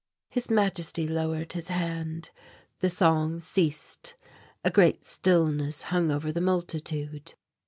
His Majesty lowered his hand; the song ceased; a great stillness hung over the multitude.